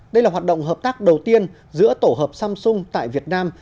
đây là hoạt động hợp tác đầu tiên giữa tổ hợp samsung tại việt nam